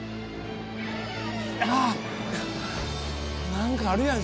何かあるやん。